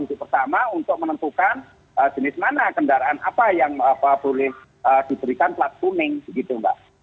di situ pertama untuk menentukan jenis mana kendaraan apa yang boleh diberikan pelat kuning gitu mbak